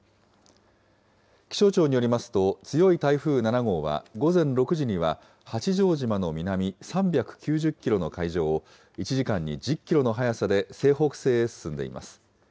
気象庁によりますと、強い台風７号は午前６時には八丈島の南３９０キロの海上を、１時間に１０キロの速さで西北西へ進んでいます。